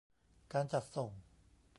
การจัดส่ง